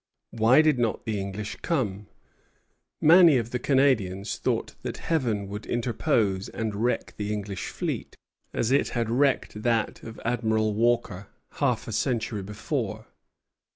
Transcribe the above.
Why did not the English come? Many of the Canadians thought that Heaven would interpose and wreck the English fleet, as it had wrecked that of Admiral Walker half a century before.